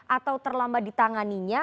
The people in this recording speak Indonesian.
atau terlambat ditanganinya